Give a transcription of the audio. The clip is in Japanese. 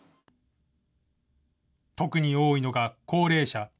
特に多いのが高齢者。